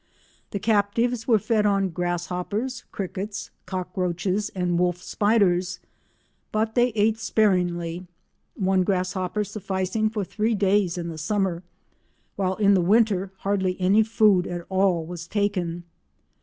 The captives were fed on grass hoppers, crickets, cockroaches and wolf spiders, but they ate sparingly, one grass hopper sufficing for three days in the summer, while in the winter hardly any food at all was taken.